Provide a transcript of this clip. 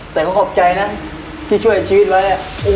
แต่ก็ขอบใจนะที่ช่วยชีวิตไว้